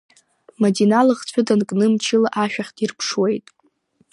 Мадина лыхцәы данкны мчыла ашәахь дирԥшуеит.